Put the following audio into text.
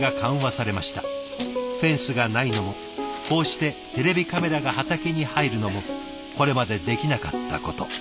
フェンスがないのもこうしてテレビカメラが畑に入るのもこれまでできなかったこと。